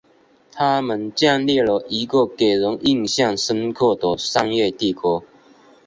他们建立了一个给人印象深刻的商业帝国。